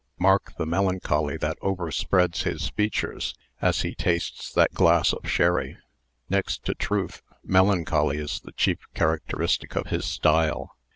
Mark the melancholy that overspreads his features, as he tastes that glass of sherry. Next to TRUTH, melancholy is the chief characteristic of his style.